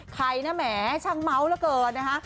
ใครนะแหมช่างเมาส์เหลือเกินนะคะ